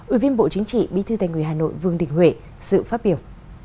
ủy viên bộ chính trị bí thư tài nguyên hà nội vương đình huệ sự phát biểu